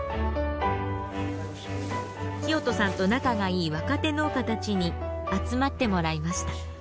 聖人さんと仲がいい若手農家たちに集まってもらいました。